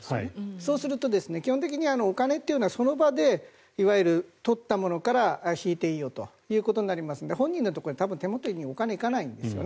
そうすると基本的にお金というのはその場で、取ったものから引いていいよとなりますので本人の手元にお金が行かないんですね。